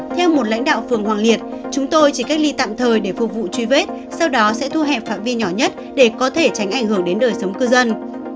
theo một lãnh đạo phường hoàng liệt chúng tôi chỉ cách ly tạm thời để phục vụ truy vết sau đó sẽ thu hẹp phạm vi nhỏ nhất để có thể tránh ảnh hưởng đến đời sống cư dân